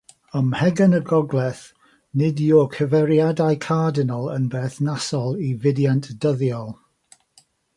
Ym Mhegwn y Gogledd, nid yw'r cyfeiriadau cardinal yn berthnasol i fudiant dyddiol.